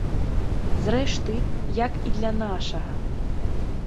Зрэшты, як і для нашага.